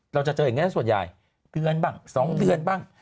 เราจะเจออย่างนี้ส่วนใหญ่เดือนบ้าง๒เดือนบ้าง